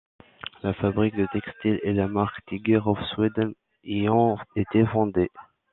La fabrique de textile et la marque Tiger of Sweden y ont été fondées.